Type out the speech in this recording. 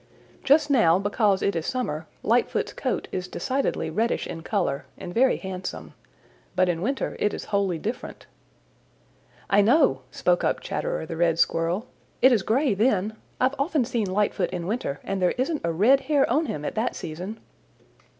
"Just now, because it is summer, Lightfoot's coat is decidedly reddish in color and very handsome. But in winter it is wholly different." "I know," spoke up Chatterer the Red Squirrel. "It is gray then. I've often seen Lightfoot in winter, and there isn't a red hair on him at that season.